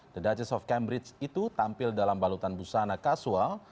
the duchess of cambridge itu tampil dalam balutan busana kasual